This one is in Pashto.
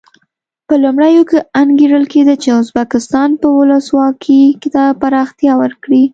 په لومړیو کې انګېرل کېده چې ازبکستان به ولسواکي ته پراختیا ورکړي.